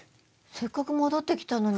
せっかく戻ってきたのに。